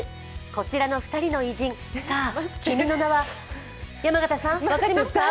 こちらの２人の偉人、さあ、君の名は、山形さん分かりますか？